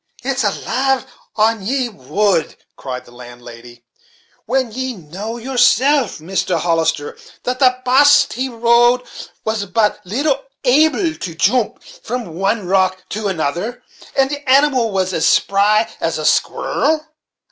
"Is it lade on ye would," cried the landlady, "when ye know yourself, Mr. Hollister, that the baste he rode was but little able to joomp from one rock to another, and the animal was as spry as a squirrel?